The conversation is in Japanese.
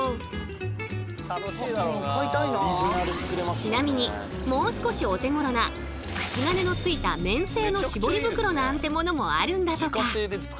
ちなみにもう少しお手ごろな口金のついた綿製の絞り袋なんてものもあるんだとか。